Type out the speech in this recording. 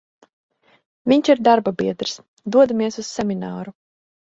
Vinš ir darbabiedrs, dodamies uz semināru.